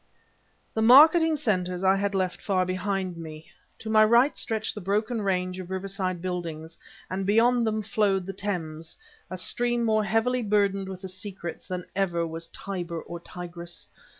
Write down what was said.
The marketing centers I had left far behind me; to my right stretched the broken range of riverside buildings, and beyond them flowed the Thames, a stream more heavily burdened with secrets than ever was Tiber or Tigris.